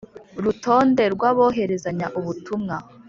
Rutonde rw aboherezanyabutumwa